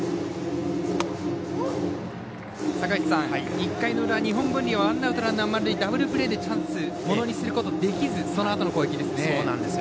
１回の裏、日本文理はワンアウト、ランナー、満塁をダブルプレーでチャンスをものにすることができずそのあとの攻撃ですね。